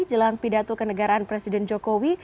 jelang pidato kenegaraan presiden jokowi